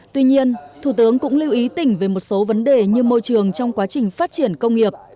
tuy nhiên thủ tướng cũng lưu ý tỉnh về một số vấn đề như môi trường trong quá trình phát triển công nghiệp